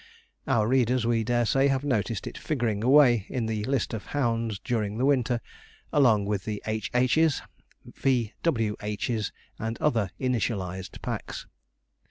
Our readers, we dare say, have noticed it figuring away, in the list of hounds during the winter, along with the 'H.H.s,' 'V.W.H.s,' and other initialized packs.